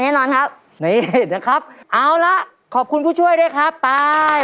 แน่นอนครับนี่นะครับเอาละขอบคุณผู้ช่วยด้วยครับไป